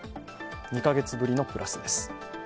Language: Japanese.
２カ月ぶりのプラスです。